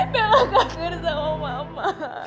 bella kaget sama mama